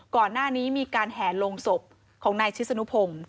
ก่อนหน้านี้มีการแห่ลงศพของนายชิสนุพงศ์